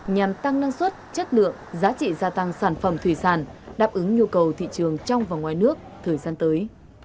nhằm tăng năng suất chất lượng giá trị gia tăng sản phẩm thủy sản đáp ứng nhu cầu thị trường trong và ngoài nước thời gian tới